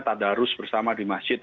tadarus bersama di masjid